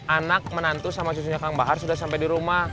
anak menantu sama cucunya kang bahar sudah sampai di rumah